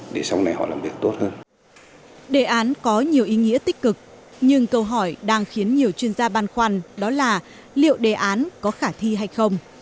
đề án có nhiều ý nghĩa tích cực nhưng câu hỏi đang khiến nhiều chuyên gia băn khoăn đó là liệu đề án có khả thi hay không